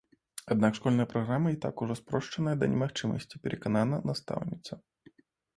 Аднак школьная праграма і так ужо спрошчаная да немагчымасці, перакананая настаўніца.